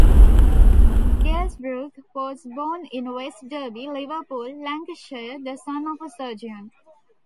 Glazebrook was born in West Derby, Liverpool, Lancashire, the son of a surgeon.